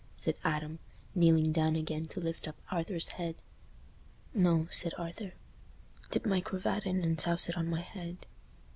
said Adam, kneeling down again to lift up Arthur's head. "No," said Arthur, "dip my cravat in and souse it on my head."